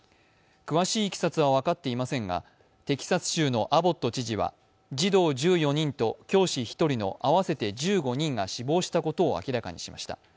詳しいいきさつは分かっていませんが、テキサス州のアボット知事は児童１４人と教師１人の合わせて１５人が死亡したことを明らかにしました。